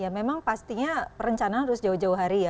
ya memang pastinya perencanaan harus jauh jauh hari ya